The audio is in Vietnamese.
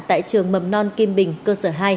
tại trường mầm non kim bình cơ sở hai